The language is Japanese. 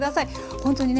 ほんとにね